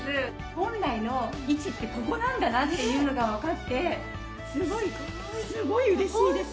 本来の位置ってここなんだなっていうのがわかってすごいすごい嬉しいです。